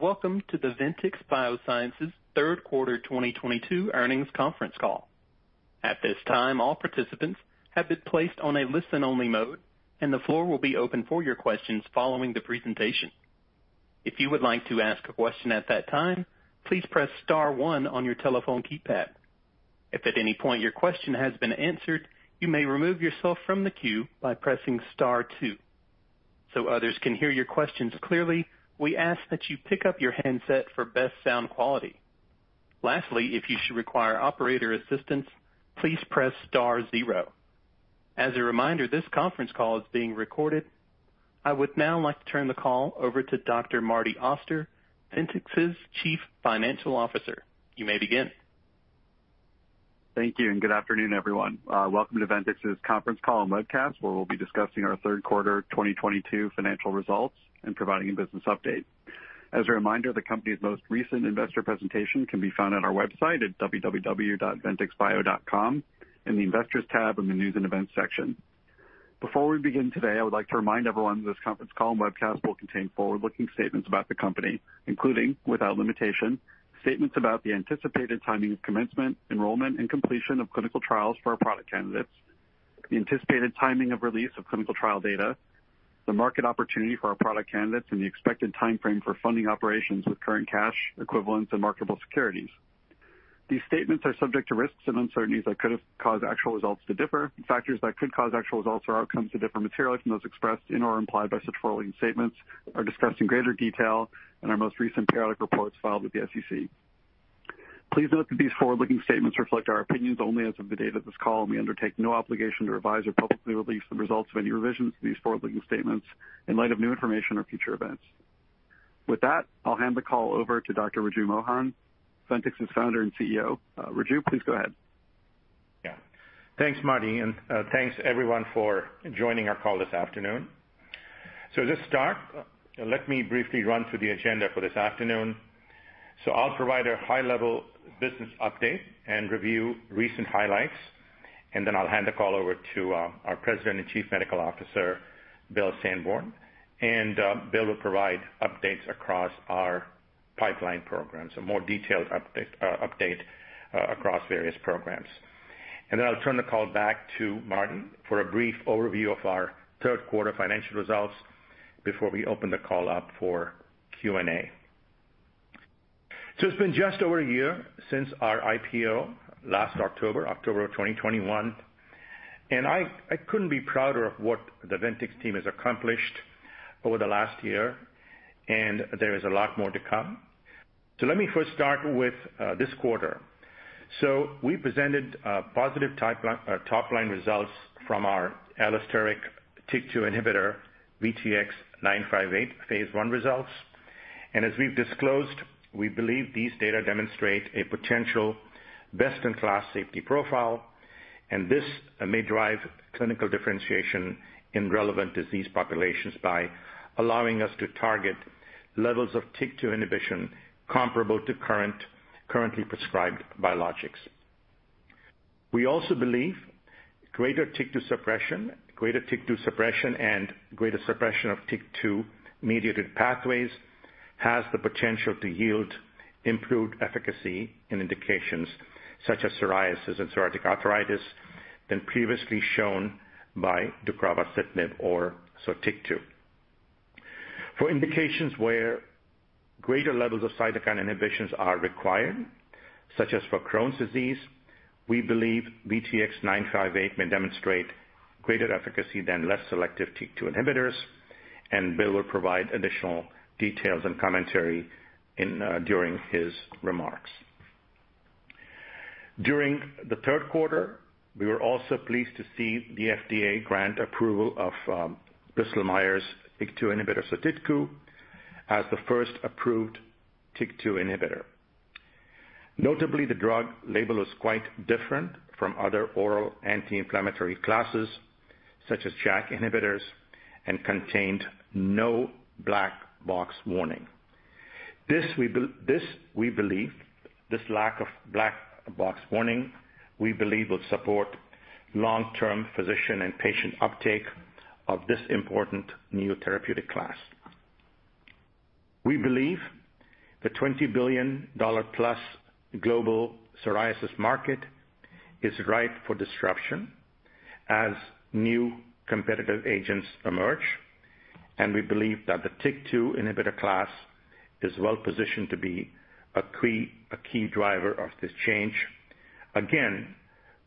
Welcome to the Ventyx Biosciences third quarter 2022 earnings conference call. At this time, all participants have been placed on a listen-only mode, and the floor will be open for your questions following the presentation. If you would like to ask a question at that time, please press star one on your telephone keypad. If at any point your question has been answered, you may remove yourself from the queue by pressing star two. So others can hear your questions clearly, we ask that you pick up your handset for best sound quality. Lastly, if you should require operator assistance, please press star zero. As a reminder, this conference call is being recorded. I would now like to turn the call over to Dr. Martin Auster, Ventyx's Chief Financial Officer. You may begin. Thank you and good afternoon, everyone. Welcome to Ventyx's conference call and webcast, where we'll be discussing our third quarter 2022 financial results and providing a business update. As a reminder, the company's most recent investor presentation can be found on our website at www.ventyxbio.com in the Investors tab in the News and Events section. Before we begin today, I would like to remind everyone this conference call and webcast will contain forward-looking statements about the company, including, without limitation, statements about the anticipated timing of commencement, enrollment, and completion of clinical trials for our product candidates, the anticipated timing of release of clinical trial data, the market opportunity for our product candidates and the expected timeframe for funding operations with current cash equivalents and marketable securities. These statements are subject to risks and uncertainties that could cause actual results to differ. Factors that could cause actual results or outcomes to differ materially from those expressed in or implied by such forward-looking statements are discussed in greater detail in our most recent periodic reports filed with the SEC. Please note that these forward-looking statements reflect our opinions only as of the date of this call, and we undertake no obligation to revise or publicly release the results of any revisions to these forward-looking statements in light of new information or future events. With that, I'll hand the call over to Dr. Raju Mohan, Ventyx's Founder and CEO. Raju, please go ahead. Yeah. Thanks, Marty, and thanks everyone for joining our call this afternoon. To start, let me briefly run through the agenda for this afternoon. I'll provide a high-level business update and review recent highlights, and then I'll hand the call over to our President and Chief Medical Officer, Bill Sanborn, and Bill will provide updates across our pipeline programs, a more detailed update across various programs. I'll turn the call back to Martin for a brief overview of our third quarter financial results before we open the call up for Q&A. It's been just over a year since our IPO last October of 2021, and I couldn't be prouder of what the Ventyx team has accomplished over the last year, and there is a lot more to come. Let me first start with this quarter. We presented positive top-line results from our allosteric TYK2 inhibitor, VTX958 phase I results. As we've disclosed, we believe these data demonstrate a potential best-in-class safety profile, and this may drive clinical differentiation in relevant disease populations by allowing us to target levels of TYK2 inhibition comparable to currently prescribed biologics. We also believe greater TYK2 suppression and greater suppression of TYK2-mediated pathways has the potential to yield improved efficacy in indications such as psoriasis and psoriatic arthritis than previously shown by deucravacitinib or Sotyktu. For indications where greater levels of cytokine inhibitions are required, such as for Crohn's disease, we believe VTX958 may demonstrate greater efficacy than less selective TYK2 inhibitors, and Bill will provide additional details and commentary during his remarks. During the third quarter, we were also pleased to see the FDA grant approval of Bristol Myers Squibb's TYK2 inhibitor, Sotyktu, as the first approved TYK2 inhibitor. Notably, the drug label is quite different from other oral anti-inflammatory classes such as JAK inhibitors and contained no black box warning. This lack of black box warning we believe will support long-term physician and patient uptake of this important new therapeutic class. We believe the $20 billion-plus global psoriasis market is ripe for disruption as new competitive agents emerge, and we believe that the TYK2 inhibitor class is well positioned to be a key driver of this change. Again,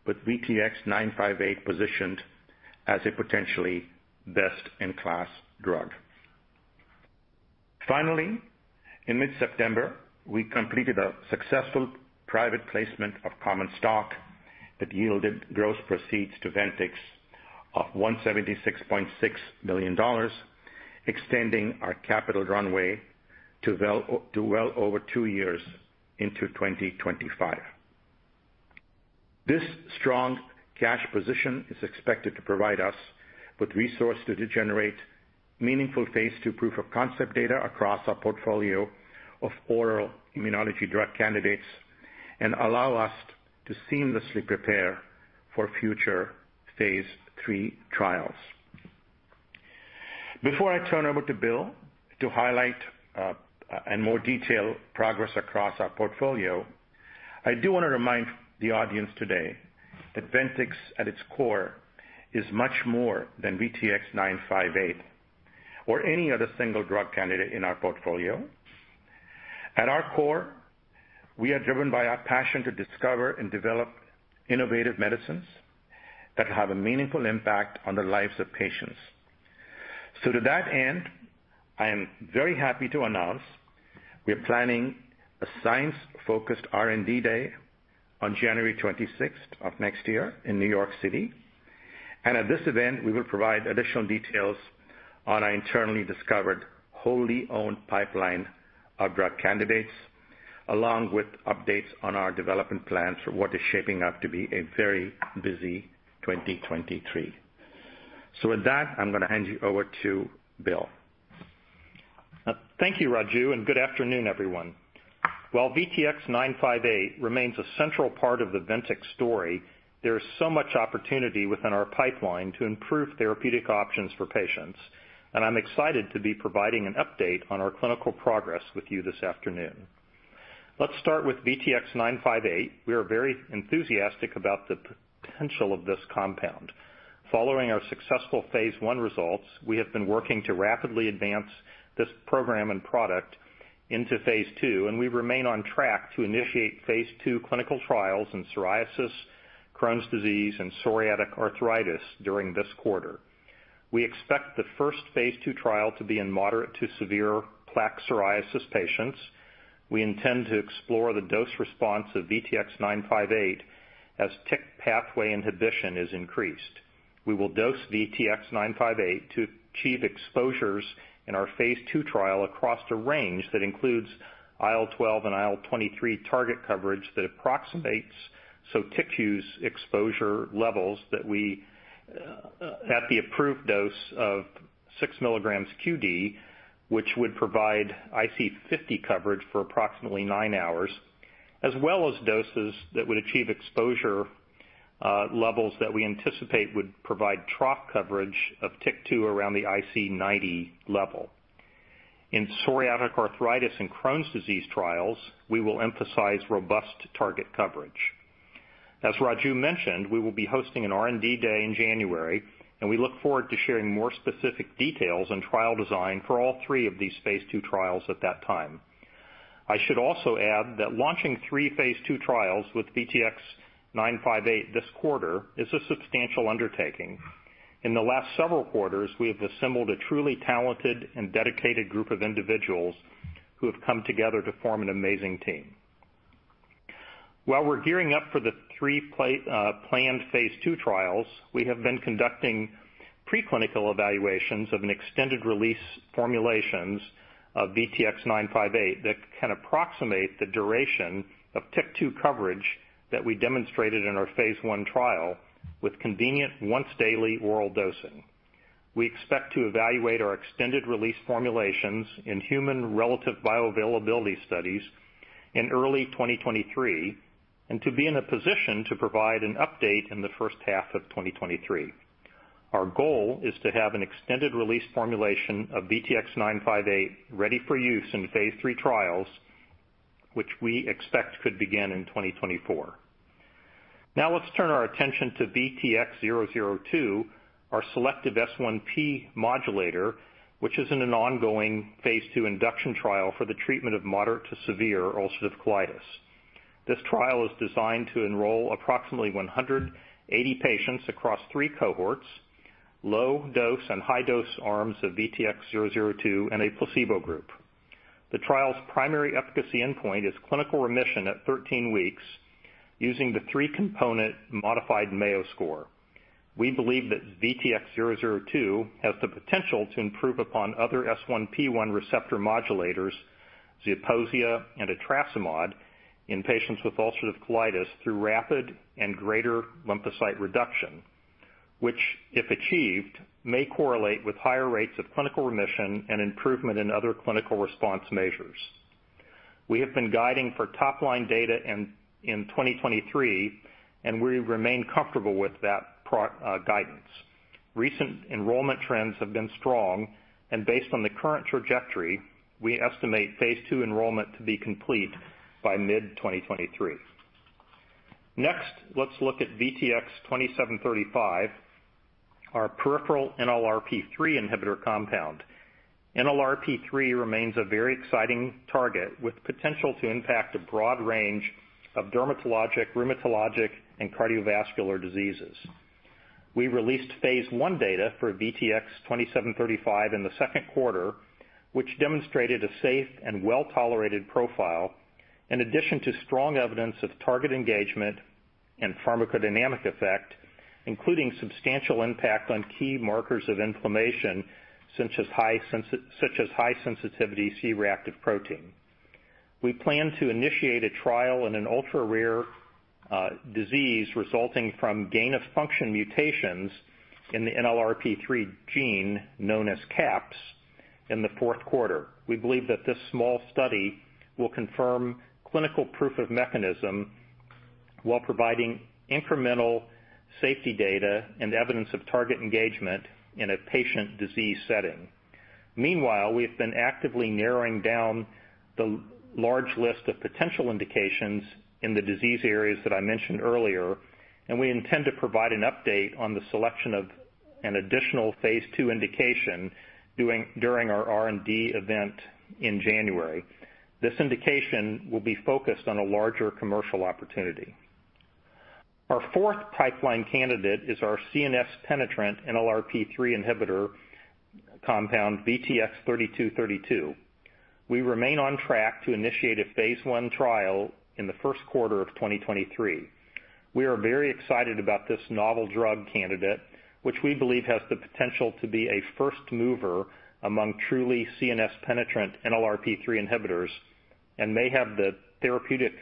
with VTX958 positioned as a potentially best-in-class drug. Finally, in mid-September, we completed a successful private placement of common stock that yielded gross proceeds to Ventyx of $176.6 million, extending our capital runway to well over two years into 2025. This strong cash position is expected to provide us with resources to generate meaningful phase II proof-of-concept data across our portfolio of oral immunology drug candidates and allow us to seamlessly prepare for future phase III trials. Before I turn over to Bill to highlight and more detail progress across our portfolio, I do wanna remind the audience today that Ventyx at its core is much more than VTX958 or any other single drug candidate in our portfolio. At our core, we are driven by our passion to discover and develop innovative medicines that have a meaningful impact on the lives of patients. To that end, I am very happy to announce we are planning a science-focused R&D day on January 26th of next year in New York City. At this event, we will provide additional details on our internally discovered wholly owned pipeline of drug candidates, along with updates on our development plans for what is shaping up to be a very busy 2023. With that, I'm gonna hand you over to Bill. Thank you, Raju, and good afternoon, everyone. While VTX958 remains a central part of the Ventyx story, there is so much opportunity within our pipeline to improve therapeutic options for patients, and I'm excited to be providing an update on our clinical progress with you this afternoon. Let's start with VTX958. We are very enthusiastic about the potential of this compound. Following our successful phase I results, we have been working to rapidly advance this program and product into phase II, and we remain on track to initiate phase II clinical trials in psoriasis, Crohn's disease, and psoriatic arthritis during this quarter. We expect the first phase II trial to be in moderate to severe plaque psoriasis patients. We intend to explore the dose response of VTX958 as TYK pathway inhibition is increased. We will dose VTX958 to achieve exposures in our phase II trial across a range that includes IL-12 and IL-23 target coverage that approximates so TYK2 exposure levels that we at the approved dose of 6 mg QD, which would provide IC50 coverage for approximately 9 hours, as well as doses that would achieve exposure levels that we anticipate would provide trough coverage of TYK2 around the IC90 level. In psoriatic arthritis and Crohn's disease trials, we will emphasize robust target coverage. As Raju mentioned, we will be hosting an R&D day in January, and we look forward to sharing more specific details and trial design for all three of these phase II trials at that time. I should also add that launching three phase II trials with VTX958 this quarter is a substantial undertaking. In the last several quarters, we have assembled a truly talented and dedicated group of individuals who have come together to form an amazing team. While we're gearing up for the three planned phase two trials, we have been conducting pre-clinical evaluations of an extended release formulations of VTX958 that can approximate the duration of TYK2 coverage that we demonstrated in our phase one trial with convenient once daily oral dosing. We expect to evaluate our extended release formulations in human relative bioavailability studies in early 2023, and to be in a position to provide an update in the H1 of 2023. Our goal is to have an extended release formulation of VTX958 ready for use in phase three trials, which we expect could begin in 2024. Now let's turn our attention to VTX002, our selective S1P modulator, which is in an ongoing phase II induction trial for the treatment of moderate to severe ulcerative colitis. This trial is designed to enroll approximately 180 patients across three cohorts, low dose and high dose arms of VTX002 and a placebo group. The trial's primary efficacy endpoint is clinical remission at 13 weeks using the three-component modified Mayo score. We believe that VTX002 has the potential to improve upon other S1P1 receptor modulators, Zeposia and Etrasimod, in patients with ulcerative colitis through rapid and greater lymphocyte reduction, which, if achieved, may correlate with higher rates of clinical remission and improvement in other clinical response measures. We have been guiding for top-line data in 2023, and we remain comfortable with that guidance. Recent enrollment trends have been strong, and based on the current trajectory, we estimate phase II enrollment to be complete by mid-2023. Next, let's look at VTX2735, our peripheral NLRP3 inhibitor compound. NLRP3 remains a very exciting target with potential to impact a broad range of dermatologic, rheumatologic, and cardiovascular diseases. We released phase I data for VTX2735 in the second quarter, which demonstrated a safe and well-tolerated profile in addition to strong evidence of target engagement and pharmacodynamic effect, including substantial impact on key markers of inflammation, such as high sensitivity C-reactive protein. We plan to initiate a trial in an ultra-rare disease resulting from gain-of-function mutations in the NLRP3 gene known as CAPS in the fourth quarter. We believe that this small study will confirm clinical proof of mechanism while providing incremental safety data and evidence of target engagement in a patient disease setting. Meanwhile, we have been actively narrowing down the large list of potential indications in the disease areas that I mentioned earlier, and we intend to provide an update on the selection of an additional phase II indication during our R&D event in January. This indication will be focused on a larger commercial opportunity. Our fourth pipeline candidate is our CNS penetrant NLRP3 inhibitor compound VTX3232. We remain on track to initiate a phase I trial in the first quarter of 2023. We are very excited about this novel drug candidate, which we believe has the potential to be a first mover among truly CNS penetrant NLRP3 inhibitors and may have the therapeutic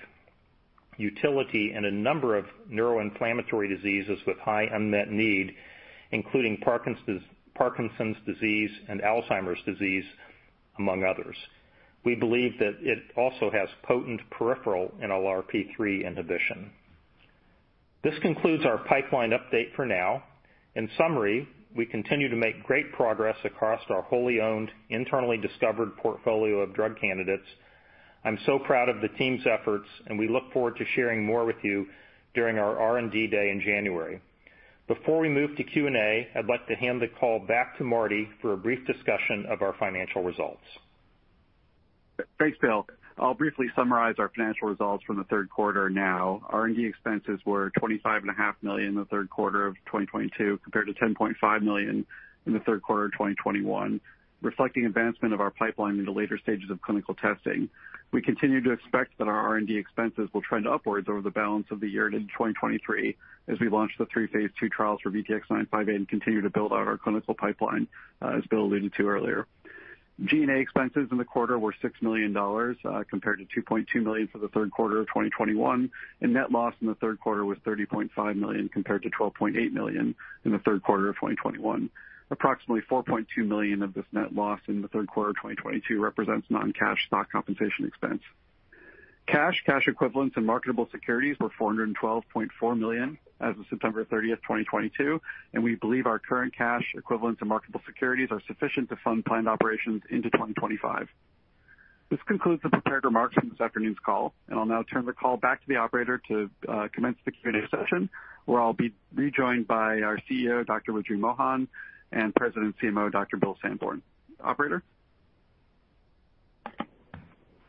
utility in a number of neuroinflammatory diseases with high unmet need, including Parkinson's disease, and Alzheimer's disease, among others. We believe that it also has potent peripheral NLRP3 inhibition. This concludes our pipeline update for now. In summary, we continue to make great progress across our wholly owned, internally discovered portfolio of drug candidates. I'm so proud of the team's efforts, and we look forward to sharing more with you during our R&D day in January. Before we move to Q&A, I'd like to hand the call back to Marty for a brief discussion of our financial results. Thanks, Bill. I'll briefly summarize our financial results from the third quarter now. R&D expenses were $25.5 million in the third quarter of 2022, compared to $10.5 million in the third quarter of 2021, reflecting advancement of our pipeline into later stages of clinical testing. We continue to expect that our R&D expenses will trend upwards over the balance of the year into 2023 as we launch the three phase II trials for VTX958 and continue to build out our clinical pipeline, as Bill alluded to earlier. G&A expenses in the quarter were $6 million, compared to $2.2 million for the third quarter of 2021, and net loss in the third quarter was $30.5 million, compared to $12.8 million in the third quarter of 2021. Approximately $4.2 million of this net loss in the third quarter of 2022 represents non-cash stock compensation expense. Cash, cash equivalents, and marketable securities were $412.4 million as of September 30, 2022, and we believe our current cash equivalents and marketable securities are sufficient to fund planned operations into 2025. This concludes the prepared remarks from this afternoon's call, and I'll now turn the call back to the operator to commence the Q&A session, where I'll be rejoined by our CEO, Dr. Raju Mohan, and President and CMO, Dr. Bill Sanborn. Operator?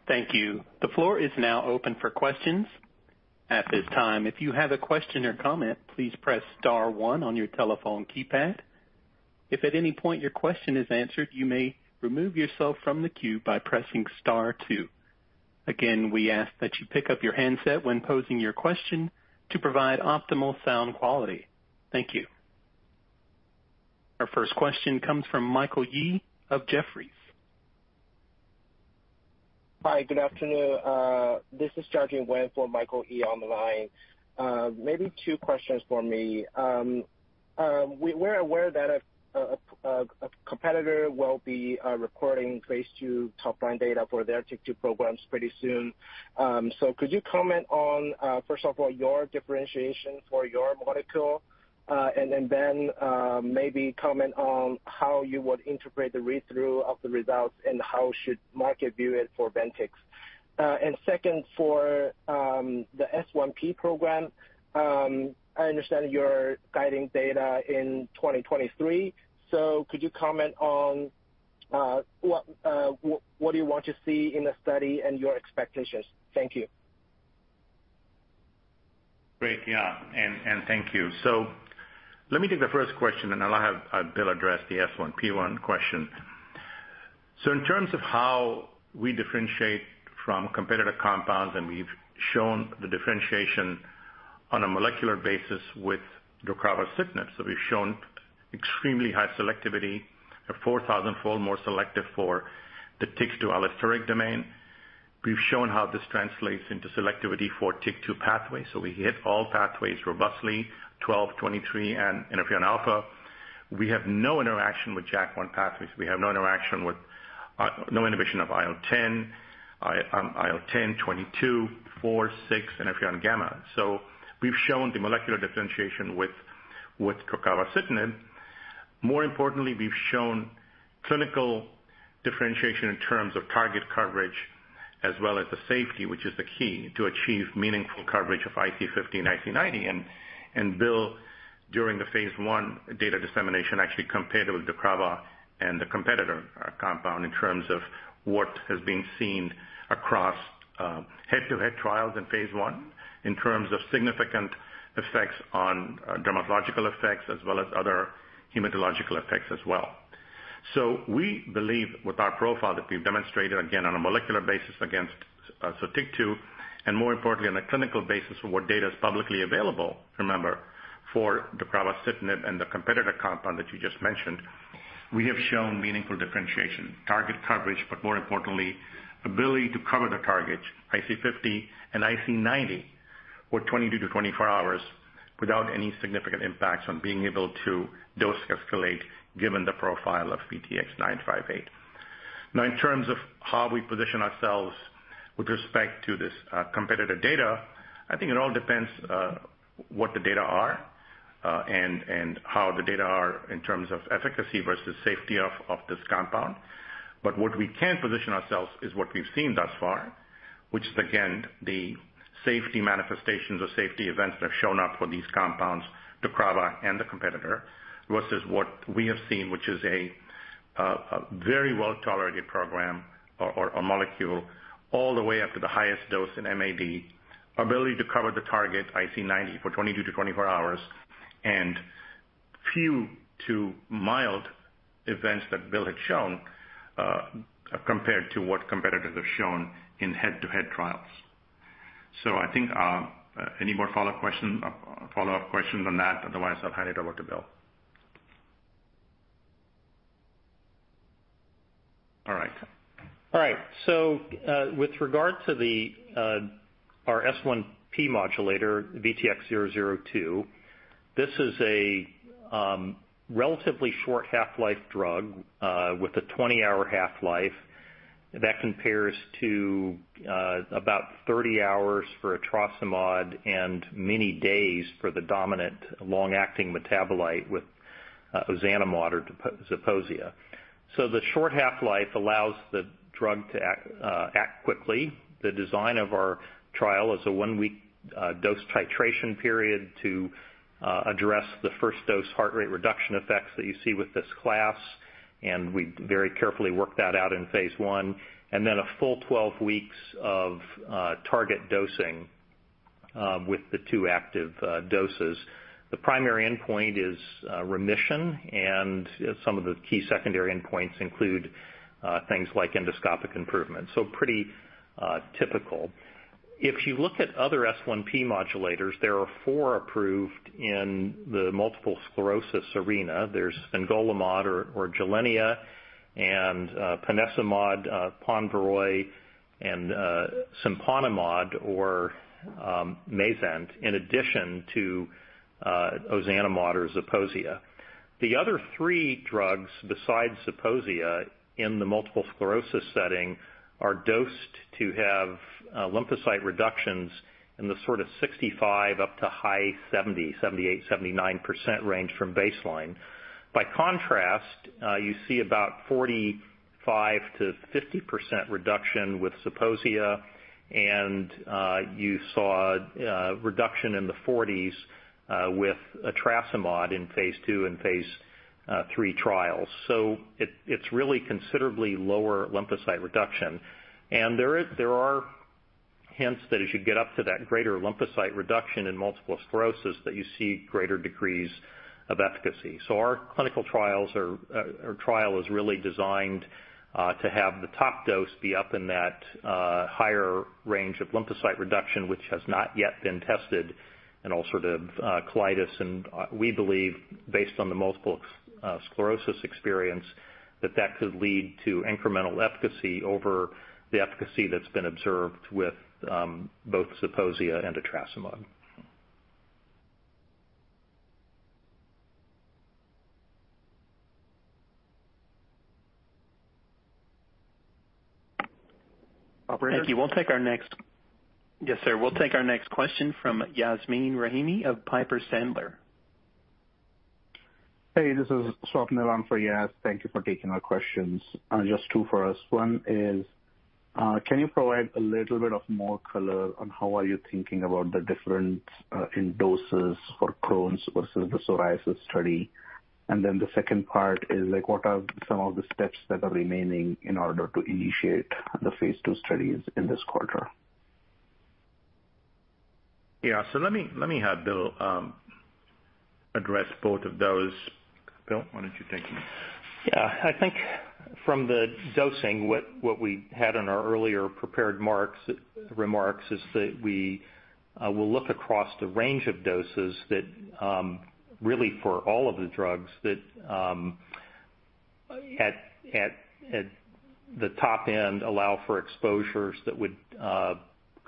Thank you. The floor is now open for questions. At this time, if you have a question or comment, please press star one on your telephone keypad. If at any point your question is answered, you may remove yourself from the queue by pressing star two. Again, we ask that you pick up your handset when posing your question to provide optimal sound quality. Thank you. Our first question comes from Michael Yee of Jefferies. Hi, good afternoon. This is Jiajun Wen for Michael Yee on the line. Maybe two questions for me. We're aware that a competitor will be reporting phase II top line data for their TYK2 programs pretty soon. Could you comment on, first of all, your differentiation for your molecule? Ben, maybe comment on how you would integrate the read-through of the results and how should market view it for Ventyx. Second, for the S1P program, I understand you're guiding data in 2023. Could you comment on what do you want to see in the study and your expectations? Thank you. Great. Yeah, and thank you. Let me take the first question, and I'll have Bill address the S1P1 question. In terms of how we differentiate from competitive compounds, we've shown the differentiation on a molecular basis with deucravacitinib. We've shown extremely high selectivity, 4,000-fold more selective for the TYK2 allosteric domain. We've shown how this translates into selectivity for TYK2 pathways. We hit all pathways robustly, IL-12, IL-23, and interferon alpha. We have no interaction with JAK1 pathways. We have no interaction with no inhibition of IL-10, IL-22, IL-4, IL-6, interferon gamma. We've shown the molecular differentiation with deucravacitinib. More importantly, we've shown clinical differentiation in terms of target coverage as well as the safety, which is the key to achieve meaningful coverage of IC50 and IC90. Bill, during the phase I data dissemination, actually compared it with deucravacitinib and the competitor compound in terms of what has been seen across head-to-head trials in phase I in terms of significant effects on dermatological effects as well as other hematological effects as well. We believe with our profile that we've demonstrated, again, on a molecular basis against Sotyktu, and more importantly, on a clinical basis for what data is publicly available, remember, for deucravacitinib and the competitor compound that you just mentioned, we have shown meaningful differentiation, target coverage, but more importantly, ability to cover the targets IC50 and IC90. 22-24 hours without any significant impacts on being able to dose escalate given the profile of VTX958. Now, in terms of how we position ourselves with respect to this competitor data, I think it all depends what the data are and how the data are in terms of efficacy versus safety of this compound. What we can position ourselves is what we've seen thus far, which is again the safety manifestations or safety events that have shown up for these compounds, Sotyktu and the competitor, versus what we have seen, which is a very well-tolerated program or a molecule all the way up to the highest dose in MAD. Ability to cover the target IC90 for 22-24 hours, and fewer mild events that Bill had shown, compared to what competitors have shown in head-to-head trials. I think any more follow-up questions on that? Otherwise, I'll hand it over to Bill. All right. All right. With regard to our S1P modulator, VTX002, this is a relatively short half-life drug with a 20-hour half-life that compares to about 30 hours for Etrasimod and many days for the dominant long-acting metabolite with ozanimod or Zeposia. The short half-life allows the drug to act quickly. The design of our trial is a one-week dose titration period to address the first dose heart rate reduction effects that you see with this class, and we very carefully worked that out in phase one. Then a full 12 weeks of target dosing with the two active doses. The primary endpoint is remission, and some of the key secondary endpoints include things like endoscopic improvement, so pretty typical. If you look at other S1P modulators, there are four approved in the multiple sclerosis arena. There's fingolimod or Gilenya and ponesimod, Ponvory, and siponimod or Mayzent, in addition to ozanimod or Zeposia. The other three drugs besides Zeposia in the multiple sclerosis setting are dosed to have lymphocyte reductions in the sort of 65% up to high 70, 78, 79 percent range from baseline. By contrast, you see about 45%-50% reduction with Zeposia, and you saw reduction in the 40s with etrasimod in phase II and phase III trials. It's really considerably lower lymphocyte reduction. There are hints that as you get up to that greater lymphocyte reduction in multiple sclerosis that you see greater degrees of efficacy. Our trial is really designed to have the top dose be up in that higher range of lymphocyte reduction, which has not yet been tested in ulcerative colitis. We believe based on the multiple sclerosis experience, that that could lead to incremental efficacy over the efficacy that's been observed with both Zeposia and Etrasimod. Operator? Thank you. Yes, sir. We'll take our next question from Yasmeen Rahimi of Piper Sandler. Hey, this is Swapnil on for Yasmin. Thank you for taking our questions. Just two for us. One is, can you provide a little bit more color on how are you thinking about the difference in doses for Crohn's versus the psoriasis study? And then the second part is like, what are some of the steps that are remaining in order to initiate the phase II studies in this quarter? Yeah. Let me have Bill address both of those. Bill, why don't you take them? Yeah. I think from the dosing, what we had in our earlier prepared remarks is that we will look across the range of doses that really for all of the drugs that at the top end allow for exposures that would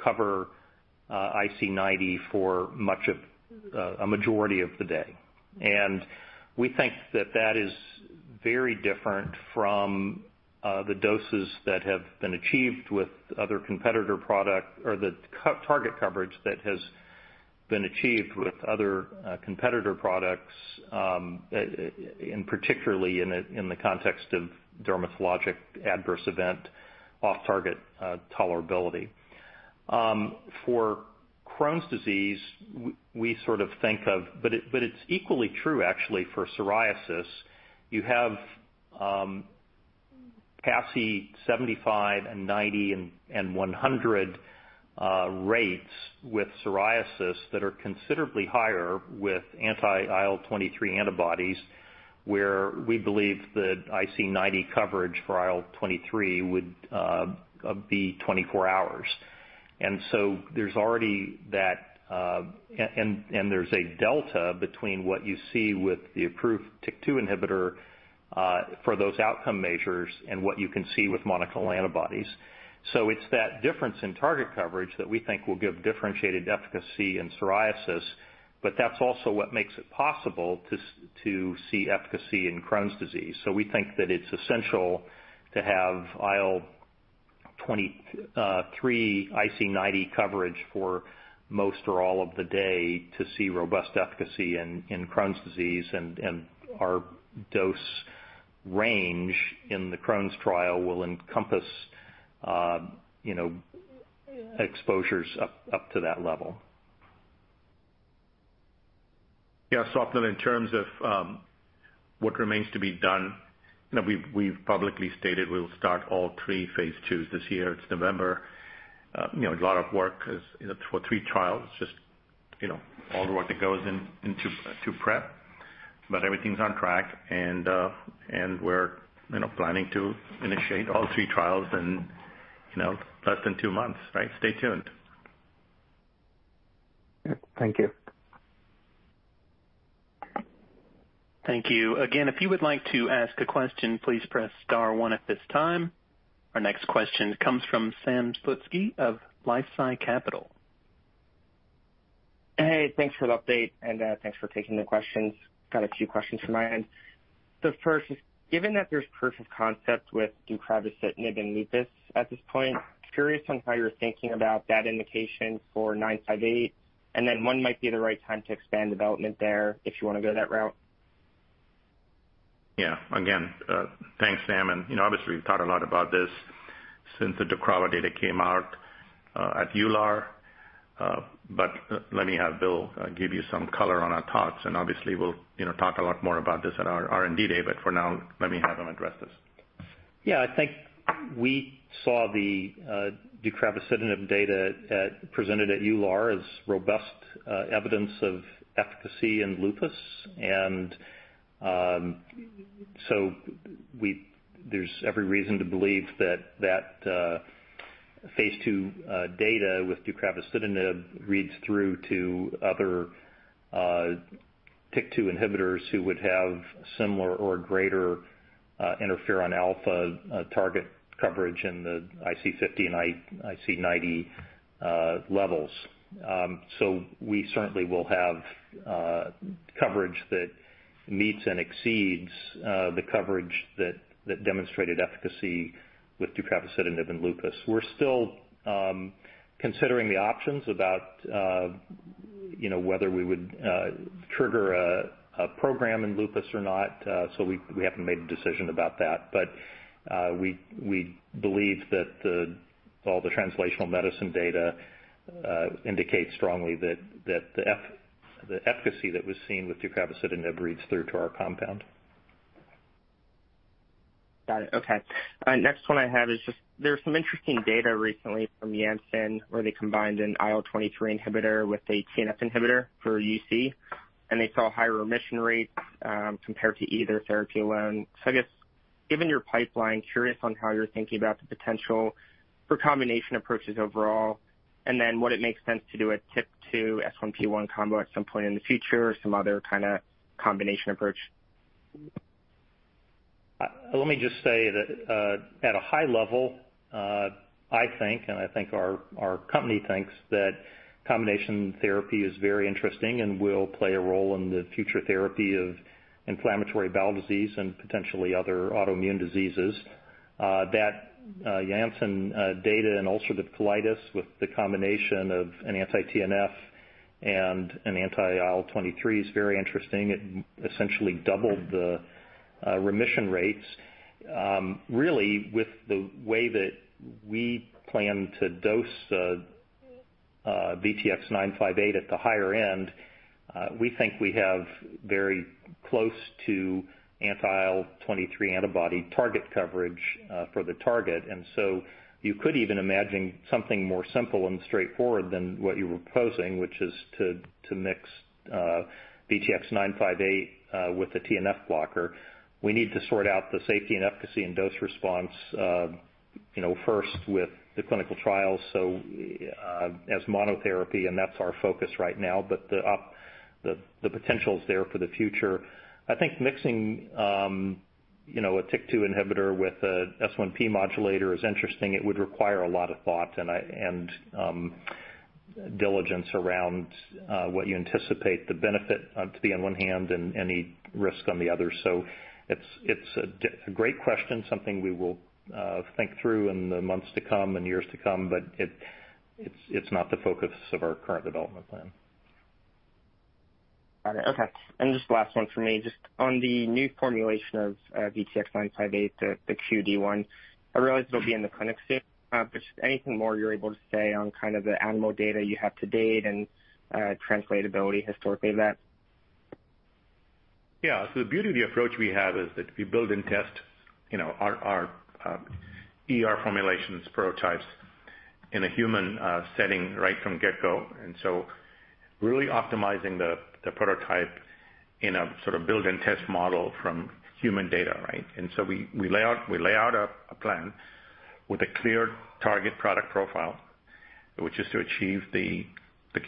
cover IC90 for much of a majority of the day. We think that is very different from the doses that have been achieved with other competitor product or the co-target coverage that has been achieved with other competitor products, and particularly in the context of dermatologic adverse event off-target tolerability. For Crohn's disease, we sort of think of. It's equally true actually for psoriasis. You have PASI 75 and 90 and 100 rates with psoriasis that are considerably higher with anti-IL-23 antibodies, where we believe that IC90 coverage for IL-23 would be 24 hours. There's already that. There's a delta between what you see with the approved TYK2 inhibitor for those outcome measures and what you can see with monoclonal antibodies. It's that difference in target coverage that we think will give differentiated efficacy in psoriasis, but that's also what makes it possible to see efficacy in Crohn's disease. We think that it's essential to have IL-23 IC90 coverage for most or all of the day to see robust efficacy in Crohn's disease, and our dose range in the Crohn's trial will encompass you know exposures up to that level. Yeah. In terms of what remains to be done, you know, we've publicly stated we'll start all three phase IIs this year. It's November. You know, a lot of work is, you know, for three trials, just, you know, all the work that goes into prep. Everything's on track and we're, you know, planning to initiate all 3 trials in, you know, less than two months, right? Stay tuned. Thank you. Thank you. Again, if you would like to ask a question, please press star one at this time. Our next question comes from Sam Slutsky of LifeSci Capital. Hey, thanks for the update and, thanks for taking the questions. Got a few questions from my end. The first is, given that there's proof of concept with deucravacitinib in lupus at this point, curious on how you're thinking about that indication for VTX958, and then when might be the right time to expand development there, if you wanna go that route. Yeah. Again, thanks, Sam. You know, obviously, we've thought a lot about this since the deucravacitinib data came out at EULAR. Let me have Bill give you some color on our thoughts, and obviously we'll, you know, talk a lot more about this at our R&D day. For now, let me have him address this. Yeah. I think we saw the deucravacitinib data presented at EULAR as robust evidence of efficacy in lupus. There's every reason to believe that phase II data with deucravacitinib reads through to other TYK2 inhibitors who would have similar or greater interferon alpha target coverage in the IC50 and IC90 levels. We certainly will have coverage that meets and exceeds the coverage that demonstrated efficacy with deucravacitinib in lupus. We're still considering the options about you know whether we would trigger a program in lupus or not. We haven't made a decision about that. We believe that all the translational medicine data indicates strongly that the efficacy that was seen with deucravacitinib reads through to our compound. Got it. Okay. Next one I have is just there's some interesting data recently from Janssen, where they combined an IL-23 inhibitor with a TNF inhibitor for UC, and they saw higher remission rates, compared to either therapy alone. I guess, given your pipeline, curious on how you're thinking about the potential for combination approaches overall, and then would it make sense to do a TYK2/S1P1 combo at some point in the future or some other kinda combination approach? Let me just say that at a high level, I think our company thinks that combination therapy is very interesting and will play a role in the future therapy of inflammatory bowel disease and potentially other autoimmune diseases. That Janssen data in ulcerative colitis with the combination of an anti-TNF and an anti-IL-23 is very interesting. It essentially doubled the remission rates. Really with the way that we plan to dose VTX-958 at the higher end, we think we have very close to anti-IL-23 antibody target coverage for the target. You could even imagine something more simple and straightforward than what you were proposing, which is to mix VTX-958 with a TNF blocker. We need to sort out the safety and efficacy and dose response, you know, first with the clinical trials, as monotherapy, and that's our focus right now. The potential is there for the future. I think mixing, you know, a TYK2 inhibitor with a S1P modulator is interesting. It would require a lot of thought and diligence around what you anticipate the benefit to be on one hand and any risk on the other. It's a great question, something we will think through in the months to come and years to come, but it's not the focus of our current development plan. Got it. Okay. Just last one from me. Just on the new formulation of VTX-958, the QD one, I realize it'll be in the clinic soon. But just anything more you're able to say on kind of the animal data you have to date and translatability historically of that? Yeah. The beauty of the approach we have is that we build and test, you know, our ER formulations prototypes in a human setting right from get go. Really optimizing the prototype in a sort of build and test model from human data, right? We lay out a plan with a clear target product profile, which is to achieve the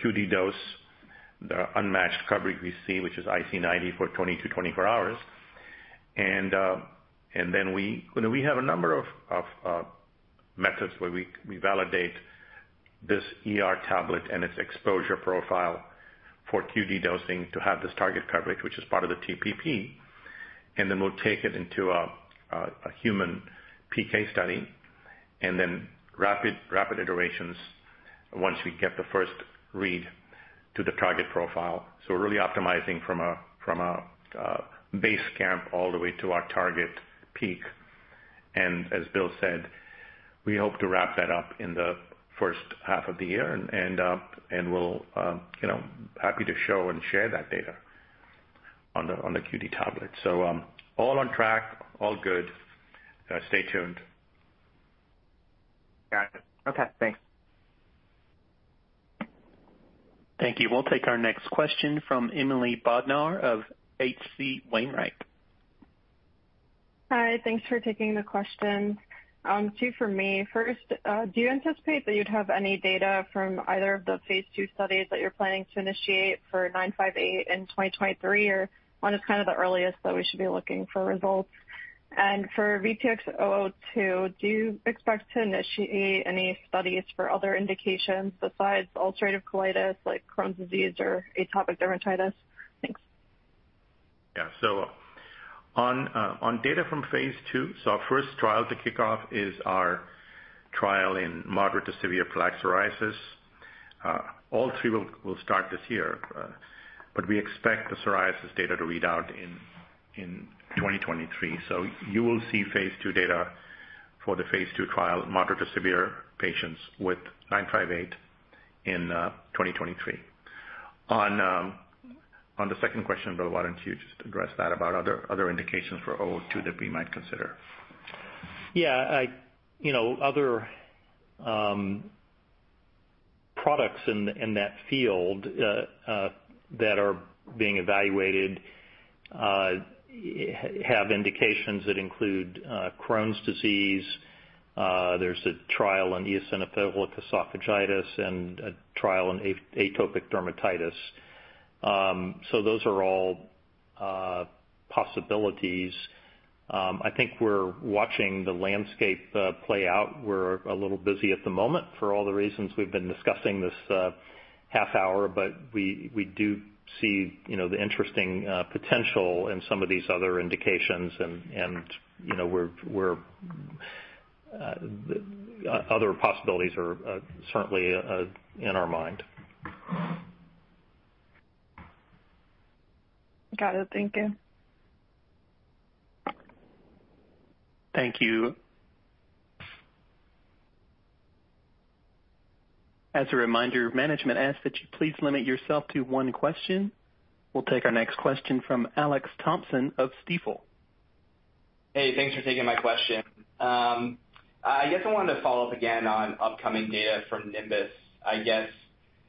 QD dose, the unmatched coverage we see, which is IC90 for 20-24 hours. We have a number of methods where we validate this ER tablet and its exposure profile for QD dosing to have this target coverage, which is part of the TPP. Then we'll take it into a human PK study, and then rapid iterations once we get the first read to the target profile. We're really optimizing from a base camp all the way to our target peak. As Bill said, we hope to wrap that up in the H1 of the year and we'll you know happy to show and share that data on the QD tablet. All on track, all good. Stay tuned. Got it. Okay, thanks. Thank you. We'll take our next question from Emily Bodnar of H.C. Wainwright. Hi. Thanks for taking the questions. Two for me. First, do you anticipate that you'd have any data from either of the phase II studies that you're planning to initiate for VTX958 in 2023, or when is kind of the earliest that we should be looking for results? For VTX-002, do you expect to initiate any studies for other indications besides ulcerative colitis like Crohn's disease or atopic dermatitis? Thanks. Yeah. On data from phase II, so our first trial to kick off is our trial in moderate to severe plaque psoriasis. All three will start this year, but we expect the psoriasis data to read out in 2023. You will see phase II data for the phase II trial, moderate to severe patients with VTX958 in 2023. On the second question, Bill, why don't you just address that about other indications for VTX002 that we might consider? Yeah. You know, other products in that field that are being evaluated have indications that include Crohn's disease. There's a trial on eosinophilic esophagitis and a trial on atopic dermatitis. Those are all possibilities. I think we're watching the landscape play out. We're a little busy at the moment for all the reasons we've been discussing this half hour, but we do see, you know, the interesting potential in some of these other indications and, you know, other possibilities are certainly in our mind. Got it. Thank you. Thank you. As a reminder, management asks that you please limit yourself to one question. We'll take our next question from Alex Schwartz of Stifel. Hey, thanks for taking my question. I guess I wanted to follow up again on upcoming data from Nimbus. I guess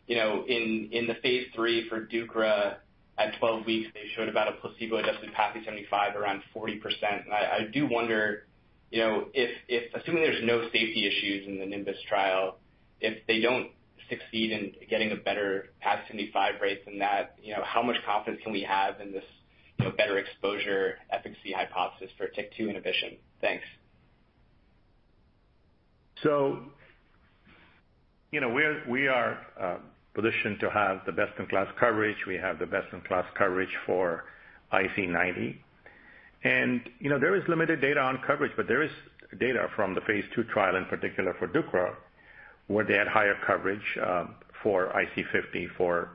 in the phase III for deucravacitinib, at 12 weeks, they showed about a placebo-adjusted PASI 75 around 40%. I do wonder if assuming there's no safety issues in the NIMBUS trial, if they don't succeed in getting a better PASI 75 rate than that, how much confidence can we have in this better exposure efficacy hypothesis for TYK2 inhibition? Thanks. You know, we are positioned to have the best-in-class coverage. We have the best-in-class coverage for IC90. You know, there is limited data on coverage, but there is data from the phase II trial in particular for deucravacitinib, where they had higher coverage for IC50 for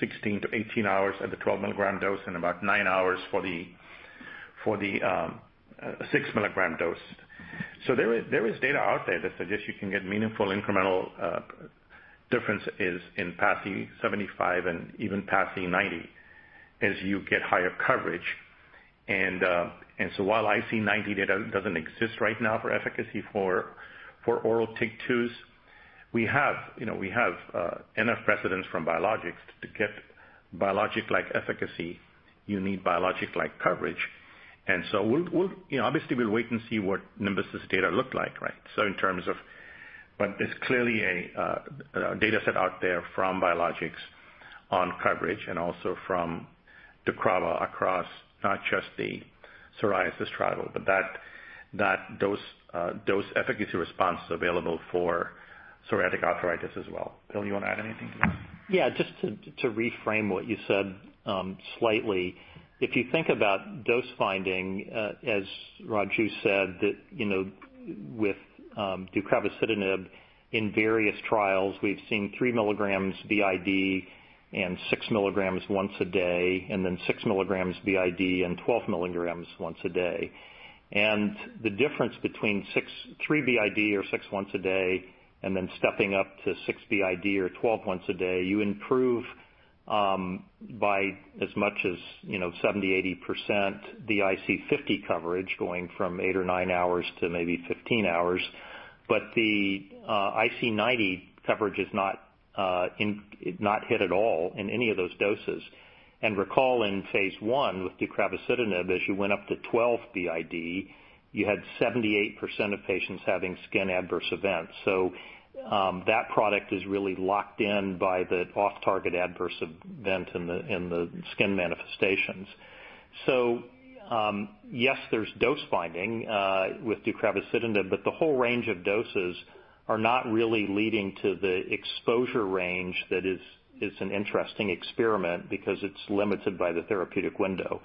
16-18 hours at the 12 mg dose and about nine hours for the 6 mg dose. There is data out there that suggests you can get meaningful incremental differences in PASI 75 and even PASI 90 as you get higher coverage. While IC90 data doesn't exist right now for efficacy for oral TYK2s, we have, you know, enough precedent from biologics. To get biologic-like efficacy, you need biologic-like coverage. You know, obviously we'll wait and see what Nimbus's data look like, right? There's clearly a data set out there from biologics on coverage and also from deucravacitinib across not just the psoriasis trial, but that dose efficacy response is available for psoriatic arthritis as well. Bill, you wanna add anything to that? Yeah. Just to reframe what you said slightly. If you think about dose finding, as Raju said, you know, with deucravacitinib in various trials, we've seen 3 mgs BID and 6 mgs once a day, and then 6 mgs BID and 12 mgs once a day. The difference between three BID or six once a day, and then stepping up to six BID or 12 once a day, you improve by as much as, you know, 70, 80% the IC50 coverage going from eight to nine hours to maybe 15 hours. But the IC90 coverage is not hit at all in any of those doses. Recall in phase I with deucravacitinib, as you went up to 12 BID, you had 78% of patients having skin adverse events. That product is really locked in by the off-target adverse event in the skin manifestations. Yes, there's dose finding with deucravacitinib, but the whole range of doses are not really leading to the exposure range that is an interesting experiment because it's limited by the therapeutic window.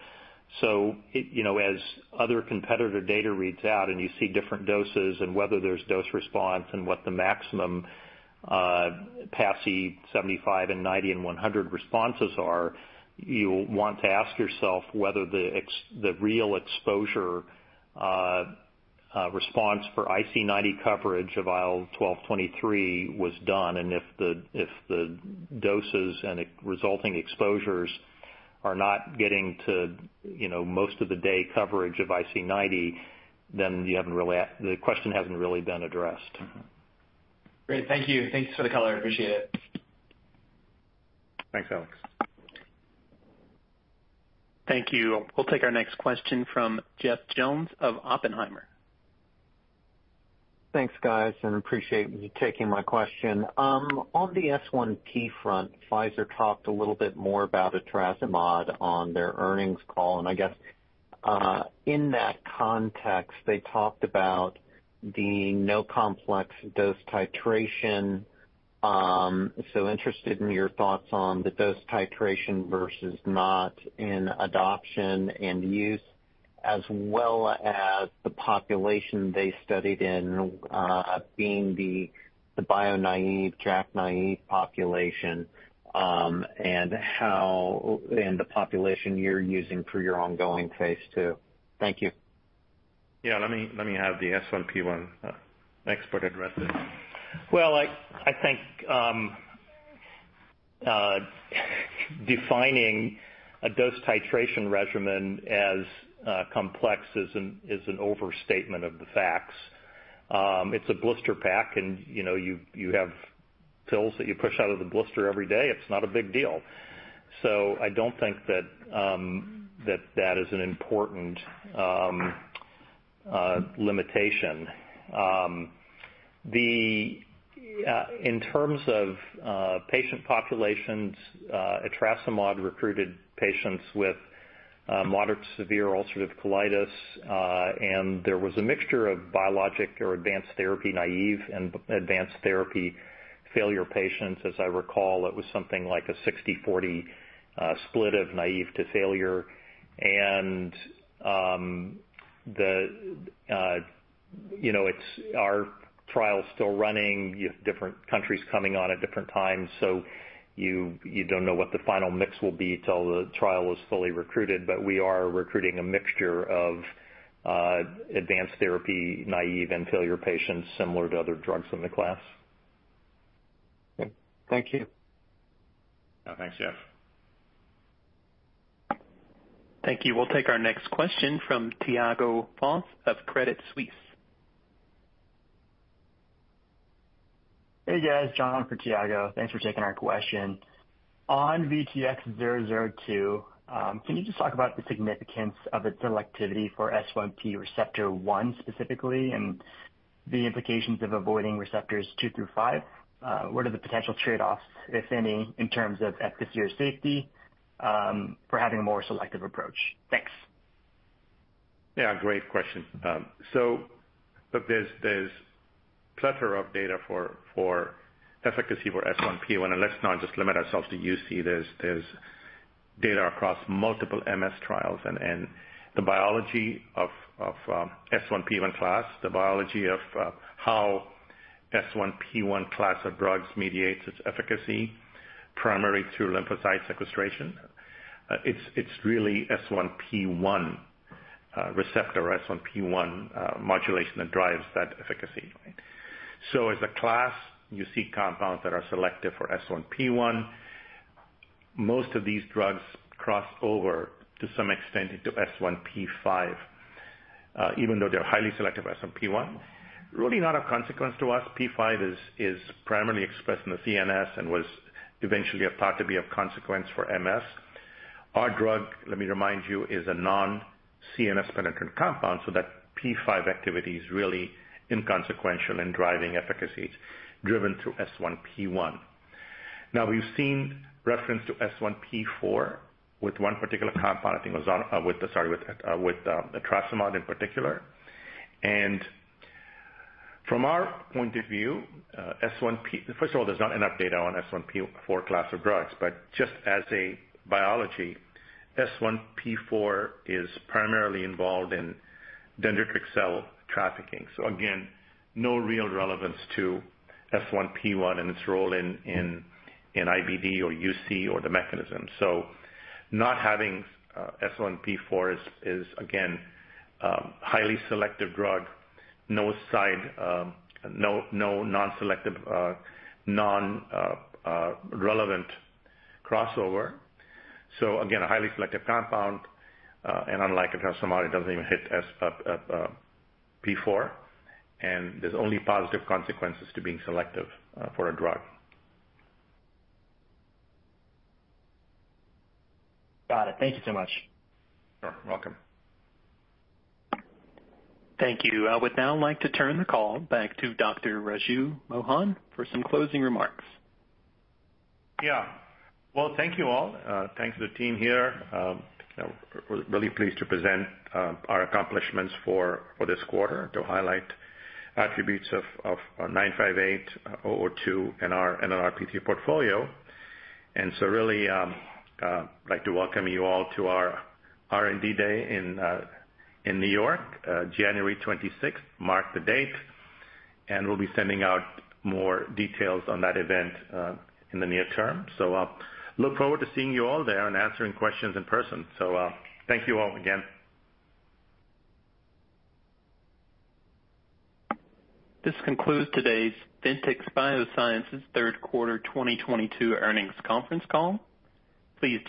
You know, as other competitor data reads out and you see different doses and whether there's dose response and what the maximum PASI 75 and 90 and 100 responses are, you'll want to ask yourself whether the real exposure response for IC90 coverage of IL-12/23 was done, and if the doses and the resulting exposures are not getting to, you know, most of the day coverage of IC90, then you haven't really. The question hasn't really been addressed. Great. Thank you. Thanks for the color. Appreciate it. Thanks, Alex. Thank you. We'll take our next question from Jeff Jones of Oppenheimer. Thanks, guys, and appreciate you taking my question. On the S1P front, Pfizer talked a little bit more about Etrasimod on their earnings call, and I guess, in that context, they talked about the non-complex dose titration. Interested in your thoughts on the dose titration versus not in adoption and use, as well as the population they studied in, being the bio-naive, JAK-naive population, and the population you're using for your ongoing phase II. Thank you. Yeah. Let me have the S1P one expert address this. Well, I think defining a dose titration regimen as complex is an overstatement of the facts. It's a blister pack and, you know, you have pills that you push out of the blister every day. It's not a big deal. I don't think that is an important limitation. In terms of patient populations, Etrasimod recruited patients with moderate to severe ulcerative colitis, and there was a mixture of biologic or advanced therapy naive and advanced therapy failure patients. As I recall, it was something like a 60-40 split of naive to failure. You know, it's our trial's still running. You have different countries coming on at different times, so you don't know what the final mix will be till the trial is fully recruited. We are recruiting a mixture of advanced therapy naive and failure patients similar to other drugs in the class. Okay. Thank you. Yeah. Thanks, Jeff. Thank you. We'll take our next question from Tiago Fauth of Credit Suisse. Hey, guys. John for Tiago. Thanks for taking our question. On VTX-zero zero two, can you just talk about the significance of its selectivity for S1P receptor one specifically, and the implications of avoiding receptors two through five? What are the potential trade-offs, if any, in terms of efficacy or safety, for having a more selective approach? Thanks. Yeah, great question. So look, there's a plethora of data for efficacy for S1P1, and let's not just limit ourselves to UC. There's data across multiple MS trials and the biology of S1P1 class, the biology of how S1P1 class of drugs mediates its efficacy primarily through lymphocyte sequestration. It's really S1P1 receptor or S1P1 modulation that drives that efficacy. So as a class, you see compounds that are selective for S1P1. Most of these drugs cross over to some extent into S1P5, even though they're highly selective S1P1. Really not a consequence to us. S1P5 is primarily expressed in the CNS and was eventually thought to be of consequence for MS. Our drug, let me remind you, is a non-CNS penetrant compound, so that S1P5 activity is really inconsequential in driving efficacy. It's driven through S1P1. Now, we've seen reference to S1P4 with one particular compound, I think it was with Etrasimod in particular. From our point of view, first of all, there's not enough data on S1P4 class of drugs, but just as a biology, S1P4 is primarily involved in dendritic cell trafficking. So again, no real relevance to S1P1 and its role in IBD or UC or the mechanism. So not having S1P4 is again highly selective drug. No side no non-selective non-relevant crossover. So again, a highly selective compound. Unlike Etrasimod, it doesn't even hit S1P4, and there's only positive consequences to being selective for a drug. Got it. Thank you so much. Sure. Welcome. Thank you. I would now like to turn the call back to Dr. Raju Mohan for some closing remarks. Yeah. Well, thank you all. Thanks to the team here. You know, we're really pleased to present our accomplishments for this quarter to highlight attributes of VTX958, VTX002 in our NLRP3 portfolio. Really like to welcome you all to our R&D day in New York, January twenty-sixth. Mark the date. We'll be sending out more details on that event in the near term. I'll look forward to seeing you all there and answering questions in person. Thank you all again. This concludes today's Ventyx Biosciences third quarter 2022 earnings conference call. Please